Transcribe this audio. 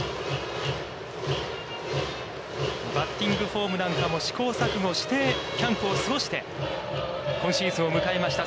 バッティングフォームなんかも試行錯誤して、キャンプを過ごして、今シーズンを迎えました。